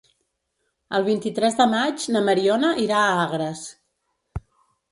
El vint-i-tres de maig na Mariona irà a Agres.